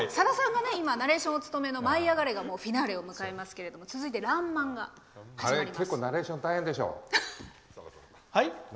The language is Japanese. さださんがナレーションをお務めの「舞いあがれ！」がフィナーレを迎えますが続いて「らんまん」が始まります。